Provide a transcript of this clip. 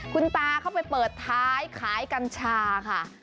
คุณตาเข้าไปเปิดท้ายขายกัญชาค่ะ